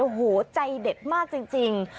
โอ้โหใจเด็ดมากจริง